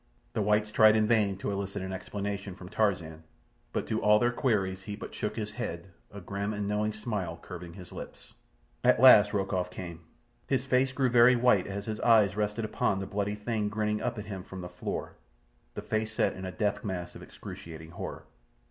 The whites tried in vain to elicit an explanation from Tarzan; but to all their queries he but shook his head, a grim and knowing smile curving his lips. At last Rokoff came. His face grew very white as his eyes rested upon the bloody thing grinning up at him from the floor, the face set in a death mask of excruciating horror.